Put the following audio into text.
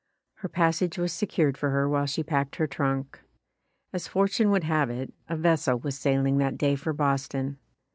Her pas sage was secured for her while she packed her trunk. As fortune would have it, a vessel was sailing that day for Boston.